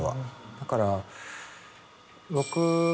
だから。